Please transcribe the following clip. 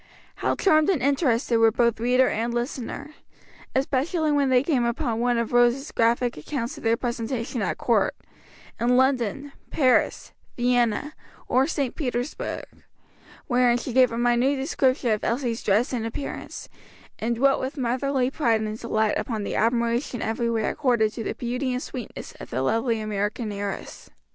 How charmed and interested were both reader and listener; especially when they came upon one of Rose's graphic accounts of their presentation at court in London, Paris, Vienna, or St. Petersburg wherein she gave a minute description of Elsie's dress and appearance, and dwelt with motherly pride and delight upon the admiration everywhere accorded to the beauty and sweetness of the lovely American heiress.